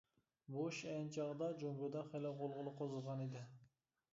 بۇ ئىش ئەينى چاغدا جۇڭگودا خېلى غۇلغۇلا قوزغىغان ئىدى.